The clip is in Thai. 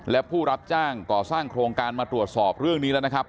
และผู้รับจ้างก่อสร้างโครงการมาตรวจสอบเรื่องนี้แล้วนะครับ